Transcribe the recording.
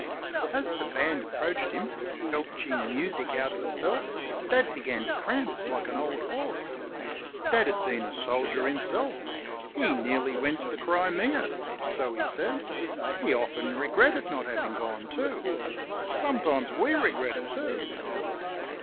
As the band approached him, belching music out of itself, Dad began to prance like an old horse. Dad had been a soldier himself. He nearly went to the Crimea so he said. He often regretted not having gone, too. Sometimes we regretted too.